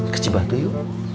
kecil banget tuh yuk